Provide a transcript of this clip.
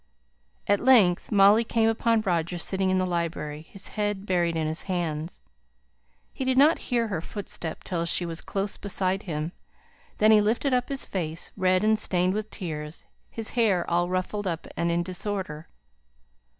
At length Molly came upon Roger sitting in the library, his head buried in his hands. He did not hear her footstep till she was close beside him. Then he lifted up his face, red, and stained with tears, his hair all ruffled up and in disorder.